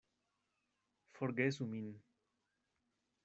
Forgesu min.